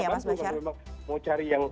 jadi saya tidak bisa cari yang